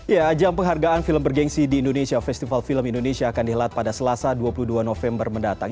ya jam penghargaan film bergensi di indonesia festival film indonesia akan dihelat pada selasa dua puluh dua november mendatang